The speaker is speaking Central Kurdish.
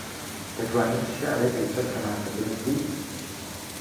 دەتوانیت شیعرێک لەسەر تەماتە بنووسیت؟